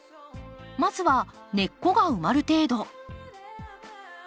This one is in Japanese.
まずは根っこが埋まる程度。